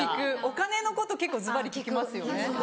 お金のこと結構ズバリ聞きますよね。